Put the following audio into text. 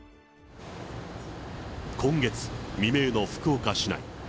今月未明の福岡市内。